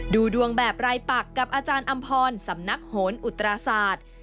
ดูดวงแบบรายปักกับอาจารย์อำพรสำนักโหนอุตราศาสตร์